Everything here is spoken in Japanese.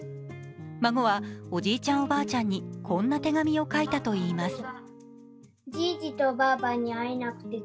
孫はおじいちゃん、おばあちゃんにこんな手紙を書いたといいます。